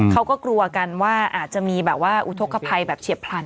เขาก็กลัวกันว่าอาจจะมีอุทธวรรณภัยเฉียบพลัน